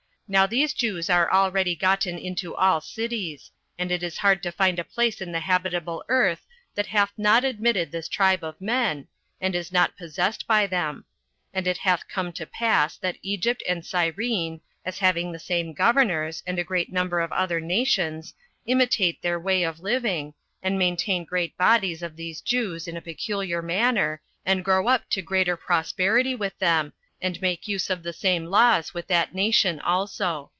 Now these Jews are already gotten into all cities; and it is hard to find a place in the habitable earth that hath not admitted this tribe of men, and is not possessed by them; and it hath come to pass that Egypt and Cyrene, as having the same governors, and a great number of other nations, imitate their way of living, and maintain great bodies of these Jews in a peculiar manner, and grow up to greater prosperity with them, and make use of the same laws with that nation also.